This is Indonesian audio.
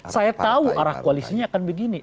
saya tahu arah koalisinya akan begini